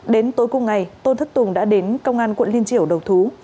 đến tối cùng ngày tôn thất tùng đã đến công an quận liên triểu đầu thú